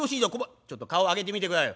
ちょっと顔上げてみてくださいよ。